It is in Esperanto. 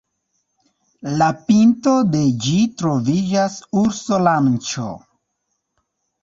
La pinto de ĝi troviĝas urso-ranĉo.